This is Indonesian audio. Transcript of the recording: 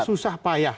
harus bersusah payah